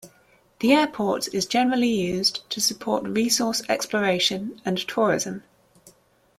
The airport is generally used to support resource exploration and tourism.